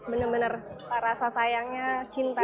benar benar rasa sayangnya cinta